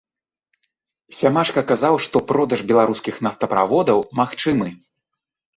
Сямашка казаў, што продаж беларускіх нафтаправодаў магчымы.